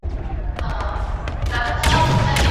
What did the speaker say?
سياسي پرېکړي بايد د ملي ګټو په پام کي نيولو سره وسي.